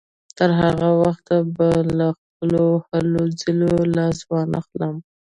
تر هغه وخته به له خپلو هلو ځلو لاس وانهخلم.